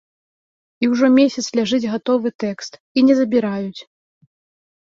І ўжо месяц ляжыць гатовы тэкст, і не забіраюць.